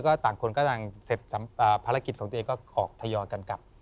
ก็ต่างคนก็ต่างเสร็จภารกิจของตัวเองก็ออกทยอยกันกลับ